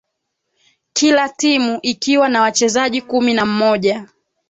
kila timu ikiwa na wachezaji kumi na mmoja